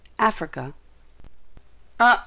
AFRICA. OH!